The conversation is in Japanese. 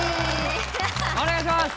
お願いします！